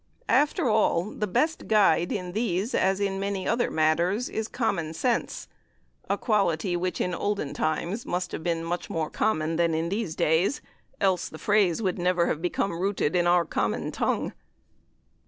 After all, the best guide in these, as in many other matters, is "common sense," a quality which in olden times must have been much more "common" than in these days, else the phrase would never have become rooted in our common tongue.